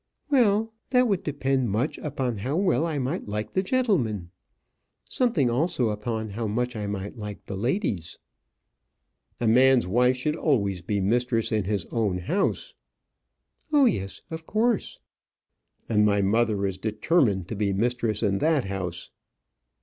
"Well, that would depend much upon how well I might like the gentleman; something also upon how much I might like the ladies." "A man's wife should always be mistress in his own house." "Oh yes, of course." "And my mother is determined to be mistress in that house."